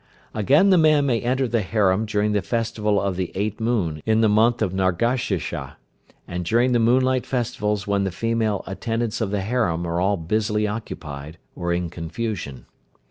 Again the man may enter the harem during the festival of the eight moon in the month of Nargashirsha, and during the moonlight festivals when the female attendants of the harem are all busily occupied, or in confusion.